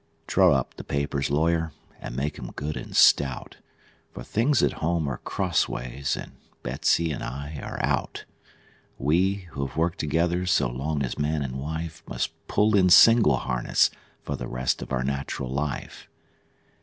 Draw up the papers, lawyer, and make 'em good and stout; For things at home are crossways, and Betsey and I are out. We, who have worked together so long as man and wife, Must pull in single harness for the rest of our nat'ral life.